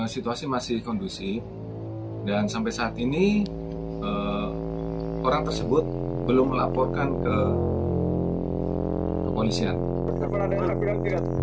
situasi masih kondusif dan sampai saat ini orang tersebut belum melaporkan ke kepolisian